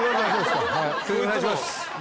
お願いします